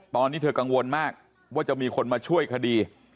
ตอนนี้เธอกังวลมากว่าจะมีคนมาช่วยคดี